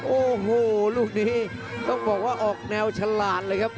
โอ้โหลูกนี้ต้องบอกว่าออกแนวฉลาดเลยครับ